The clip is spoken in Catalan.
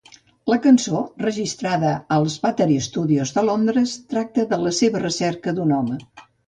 La cançó, registrada als Battery Studios de Londres, tracta de la seva recerca d'un home.